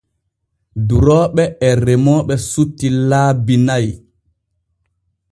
Durooɓe e remooɓe sutti laabi na'i.